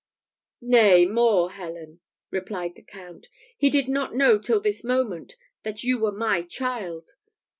"Nay, more, Helen," replied the Count, "he did not know till this moment that you were my child.